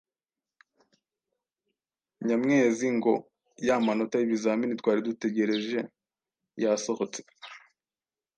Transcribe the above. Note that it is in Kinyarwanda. Nyamwezi: Ngo ya manota y’ibizamini twari dutegereje yasohotse!